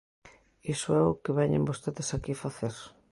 Iso é o que veñen vostedes aquí facer.